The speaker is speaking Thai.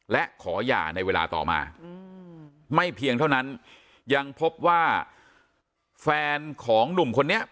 และขอหย่าในเวลาต่อมาไม่เพียงเท่านั้นยังพบว่าแฟนของหนุ่มคนนี้